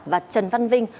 và trần văn vinh